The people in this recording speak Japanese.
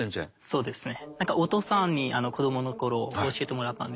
そうですね。